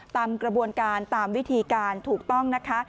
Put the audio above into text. ตามกระบวนการตามวิธีการถูกต้องนะคะ